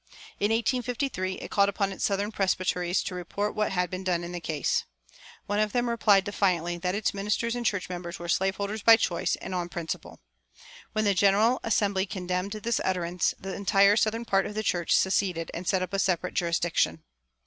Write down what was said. In 1853 it called upon its southern presbyteries to report what had been done in the case. One of them replied defiantly that its ministers and church members were slave holders by choice and on principle. When the General Assembly condemned this utterance, the entire southern part of the church seceded and set up a separate jurisdiction.